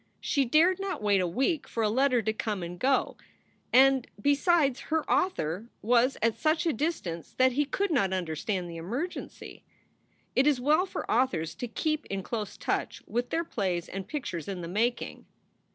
She dared not wait a week for a letter to come and go; and, besides, her author was at such a distance that he could not understand the emergency. It is well for authors to keep in close touch with their plays and pictures in the making.